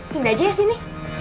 pindah aja ya sini